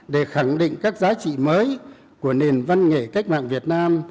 để khẳng định các giá trị mới của nền văn nghệ cách mạng việt nam